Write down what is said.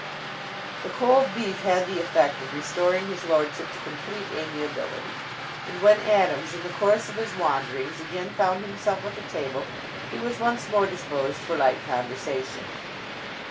The cold beef had the effect of restoring his lordship to complete amiability, and when Adams in the course of his wanderings again found himself at the table he was once more disposed for light conversation.